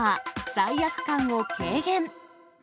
罪悪感を軽減。